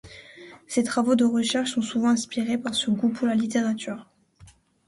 Ses travaux de recherches sont souvent inspirés par ce goût pour la littérature.